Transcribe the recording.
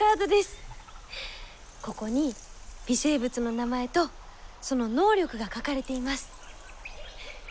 ここに微生物の名前とその能力が書かれています。